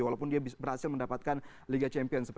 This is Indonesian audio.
walaupun dia berhasil mendapatkan liga champions